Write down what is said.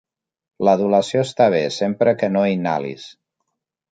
L'adulació està bé, sempre que no inhalis.